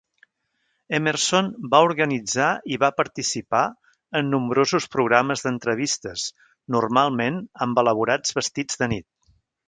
Emerson va organitzar i va participar en nombrosos programes d'entrevistes, normalment amb elaborats vestits de nit.